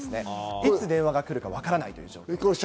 いつ電話が来るかわからないということです。